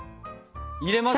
入れますよ。